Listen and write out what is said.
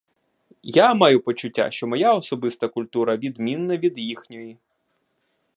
Я маю почуття, що моя особиста культура відмінна від їхньої.